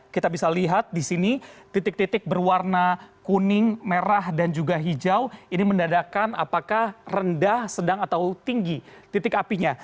kita bisa lihat di sini titik titik berwarna kuning merah dan juga hijau ini mendadakan apakah rendah sedang atau tinggi titik apinya